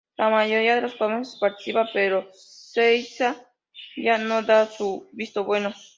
La mayoría de los jóvenes participa, pero Seiya no da su visto bueno.